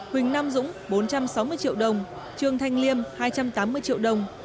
huỳnh nam dũng bốn trăm sáu mươi triệu đồng trương thanh liêm hai trăm tám mươi triệu đồng